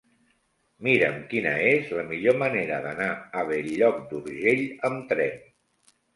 Mira'm quina és la millor manera d'anar a Bell-lloc d'Urgell amb tren.